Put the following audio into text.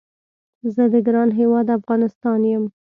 زه د ګران هیواد افغانستان یم